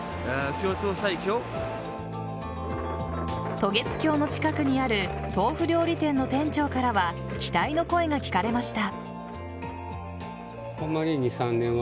渡月橋の近くにある豆腐料理店の店長からは期待の声が聞かれました。